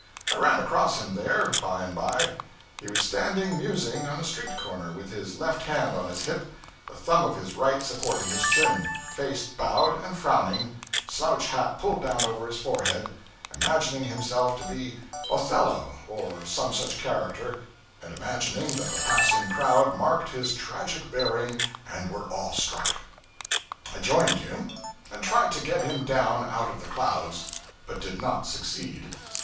I ran across him there, by and by. He was standing musing on a street corner, with his left hand on his hip, the thumb of his right supporting his chin, face bowed and frowning, slouch hat pulled down over his forehead imagining himself to be Othello or some such character, and imagining that the passing crowd marked his tragic bearing and were awestruck. I joined him, and tried to get him down out of the clouds, but did not succeed.